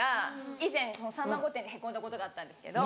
以前『さんま御殿‼』で凹んだことがあったんですけど。